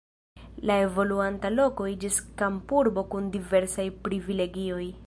La evoluanta loko iĝis kampurbo kun diversaj privilegioj.